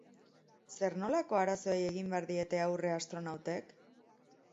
Zer-nolako arazoei egin behar diete aurre astronautek?